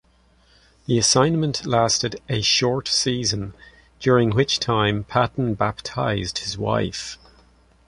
This assignment lasted "a short season," during which time Patten baptized his wife.